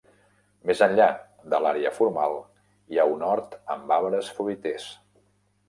Més enllà de l'àrea formal hi ha un hort amb arbres fruiters.